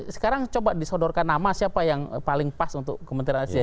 sekarang coba disodorkan nama siapa yang paling pas untuk kementerian asean